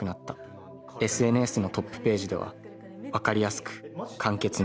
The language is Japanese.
ＳＮＳのトップページでは、わかりやすく、簡潔に。